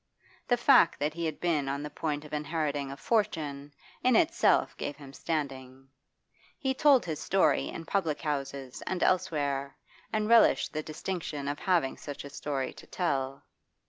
The fact that he had been on the point of inheriting a fortune in itself gave him standing; he told his story in public houses and elsewhere, and relished the distinction of having such a story to tell.